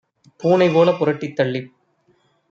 பூனை போலப் புரட்டித் தள்ளிப்